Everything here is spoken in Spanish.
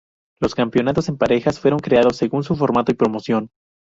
Los campeonatos en parejas fueron creados según su formato y promoción.